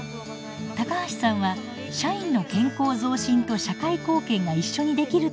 高橋さんは社員の健康増進と社会貢献が一緒にできると考えました。